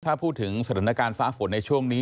ถ้าพูดถึงสถานการณ์ฟ้าฝนในช่วงนี้